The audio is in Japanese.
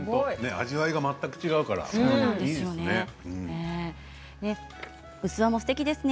味わいが全く違うからいいですね。